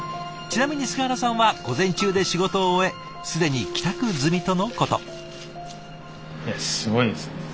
ちなみに菅原さんは午前中で仕事を終え既に帰宅済みとのこと。